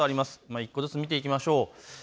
１個ずつ見ていきましょう。